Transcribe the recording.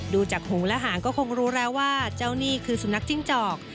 ดูจากหูและหางก็คงรู้แล้วว่าเจ้านี่คือสุนัขจิ้งจอก